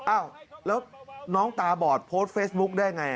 อ้าวแล้วน้องตาบอดโพสต์เฟซบุ๊คได้ไง